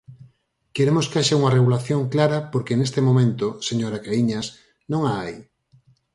Queremos que haxa unha regulación clara porque neste momento, señora Caíñas, non a hai.